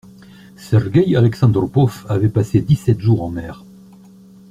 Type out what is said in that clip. Sergeï Alexandropov avait passé dix-sept jours en mer.